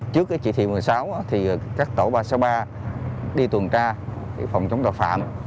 trước chỉ thị một mươi sáu các tổ ba trăm sáu mươi ba đi tuần tra phòng chống tòa phạm